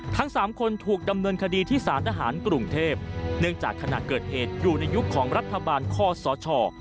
ทั้งสามคนถูกดำเนินคดีที่สารทหารกรุงเทพเนื่องจากขณะเกิดเหตุอยู่ในยุคของรัฐบาลคอสช